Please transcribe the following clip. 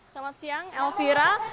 selamat siang elvira